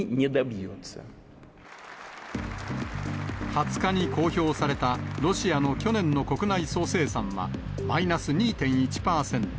２０日に公表されたロシアの去年の国内総生産は、マイナス２．１％。